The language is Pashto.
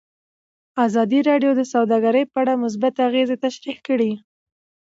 ازادي راډیو د سوداګري په اړه مثبت اغېزې تشریح کړي.